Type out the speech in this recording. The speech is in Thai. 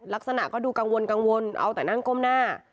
ลักษณะก็ดูกังวลกังวลเอาแต่นั่งก้มหน้า